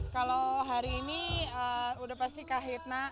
kalau hari ini udah pasti kahitna